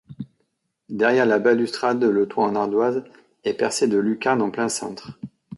Derrière la balustrade le toit en ardoise est percée de lucarnes en plein-cintre.